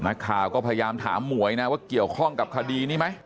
นักข่าวก็พยายามถามหมวยนะว่าเกี่ยวข้องกับคดีนี้ไหม